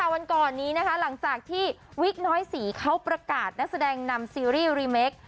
วันก่อนนี้นะคะหลังจากที่วิกน้อยศรีเขาประกาศนักแสดงนำซีรีส์รีเมค